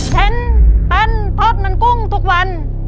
ฉันปั้นทอดมันกุ้งทุกวัน